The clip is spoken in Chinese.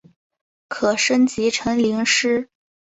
可升级成麟师。